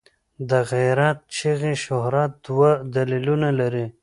د غیرت چغې شهرت دوه دلیلونه لري.